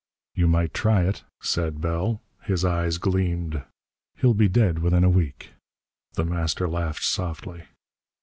"You might try it," said Bell. His eyes gleamed. "He'd be dead within a week." The Master laughed softly.